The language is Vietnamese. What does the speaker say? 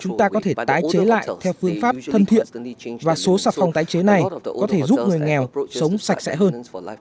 chúng ta có thể tái chế lại theo phương pháp thân thiện và số xà phòng tái chế này có thể giúp người nghèo sống sạch sẽ hơn